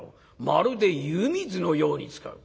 まるで湯水のように使う。